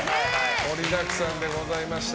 盛りだくさんでございました。